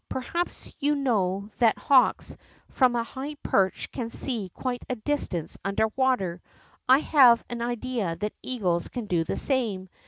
Perhaps you know that hawks from a high perch can see quite a distance under water. I have an idea that eagles can do the same.